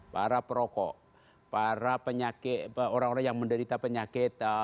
para perokok para penyakit orang orang yang menderita penyakit